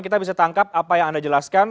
kita bisa tangkap apa yang anda jelaskan